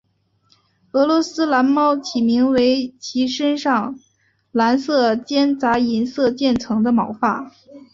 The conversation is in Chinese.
俄罗斯蓝猫起名为其身上蓝色间杂银色渐层的毛发。